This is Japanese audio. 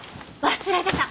忘れてた！